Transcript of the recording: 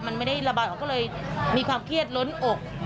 มันไม่ได้ระบายออกก็เลยมีความเครียดล้นอก